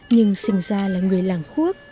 nhưng sinh ra là người làng quốc